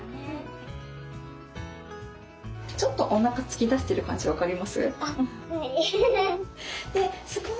ちょっとおなか突き出してる感じ分かります？